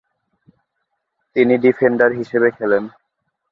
তিনি ডিফেন্ডার হিসেবে খেলেন।